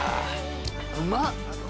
うまっ。